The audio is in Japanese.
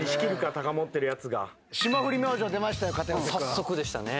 早速でしたね。